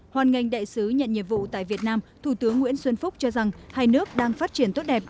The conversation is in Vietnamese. hoàn ngành đại sứ nhận nhiệm vụ tại việt nam thủ tướng nguyễn xuân phúc cho rằng hai nước đang phát triển tốt đẹp